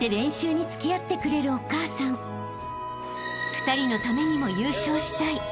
［２人のためにも優勝したい］